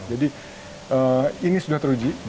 jadi ini sudah teruji